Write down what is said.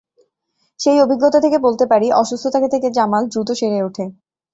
সেই অভিজ্ঞতা থেকে বলতে পারি, অসুস্থতা থেকে জামাল দ্রুত সেরে ওঠে।